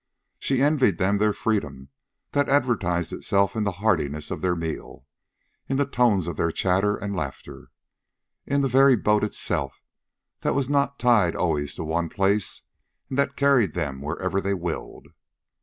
She envied them their freedom that advertised itself in the heartiness of their meal, in the tones of their chatter and laughter, in the very boat itself that was not tied always to one place and that carried them wherever they willed.